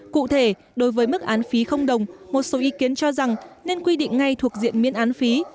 cụ thể đối với mức án phí không đồng một số ý kiến cho rằng nên quy định ngay thuộc diện miễn án phí